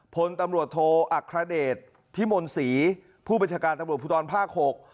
พลตำรวจโทอัครเดชพิมลศรีผู้บัญชาการตำรวจภูทรภาคหก